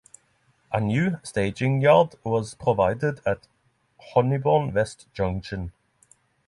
A new staging yard was provided at Honeybourne West Junction.